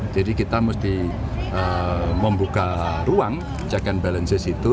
jadi kita mesti membuka ruang check and balances itu